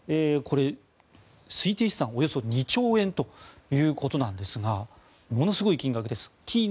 これ、推定資産およそ２兆円ということなんですがものすごい金額です。